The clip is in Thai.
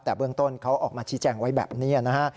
แต่เบื้องต้นเขาออกมาชี้แจงไว้แบบนี้นะฮะ